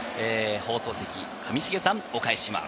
放送席、上重さんにお返しします。